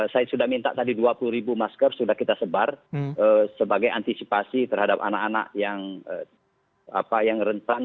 saya sudah minta tadi dua puluh ribu masker sudah kita sebar sebagai antisipasi terhadap anak anak yang rentan